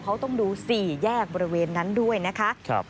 เขาต้องดู๔แยกบริเวณนั้นด้วยนะคะ